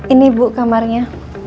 ini bu kamarnya